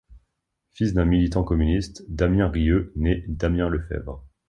Fils d'un militant communiste, Damien Rieu naît Damien Lefèvre.